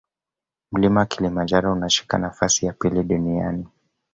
mlima kilimanjaro unashika nafasi ya pili duniani